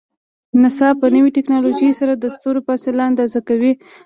ناسا په نوی ټکنالوژۍ سره د ستورو فاصله اندازه کوي.